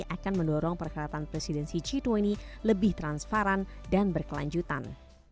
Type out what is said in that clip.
akan mendorong perkretan presidensi g dua puluh lebih transparan dan berkelanjutan